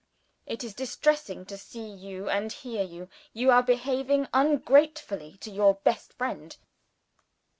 It is distressing to see you and hear you. You are behaving ungratefully to your best friend."